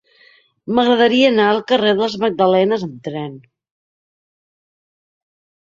M'agradaria anar al carrer de les Magdalenes amb tren.